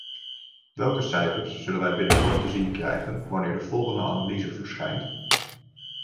Welke cijfers zullen wij binnenkort te zien krijgen wanneer de volgende analyse verschijnt?